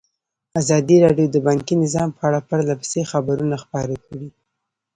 ازادي راډیو د بانکي نظام په اړه پرله پسې خبرونه خپاره کړي.